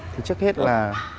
thì chắc hết là